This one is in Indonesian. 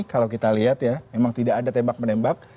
kalau kita lihat ya memang tidak ada tembak menembak